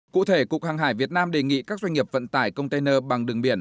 cụ thể cục hàng hải việt nam đề nghị các doanh nghiệp vận tải container bằng đường biển